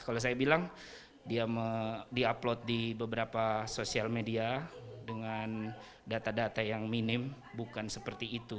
kalau saya bilang dia di upload di beberapa sosial media dengan data data yang minim bukan seperti itu